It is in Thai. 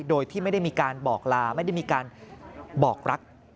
โดยที่ไม่ได้มีการบอกลาไม่ได้มีการบอกรัก